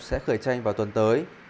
sẽ khởi tranh vào tuần tới